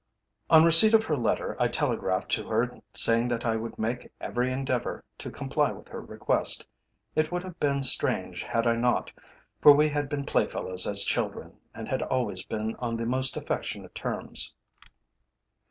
On receipt of her letter I telegraphed to her saying that I would make every endeavour to comply with her request. It would have been strange had I not, for we had been playfellows as children, and had always been on the most affectionate terms."